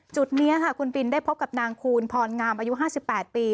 จุดเนี้ยค่ะคุณปลินได้พบกับนางคูณผมงามอายุห้าสิบแปดปี